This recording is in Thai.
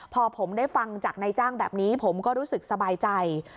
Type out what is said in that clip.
พอผมได้ฟังจากนายจ้างแบบนี้ผมก็รู้สึกสบายใจ